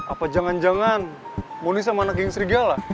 apa jangan jangan mondi sama anak geng serigala